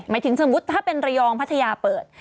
ถึงสมมุติถ้าเป็นระยองพัทยาเปิด